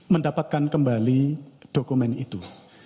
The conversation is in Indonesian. mendapatkan kembali dokumen itu